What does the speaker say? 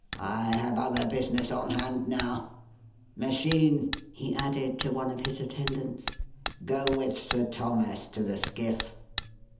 I have other business on hand now. Meschines," he added to one of his attendants, "go with Sir Thomas to the skiff."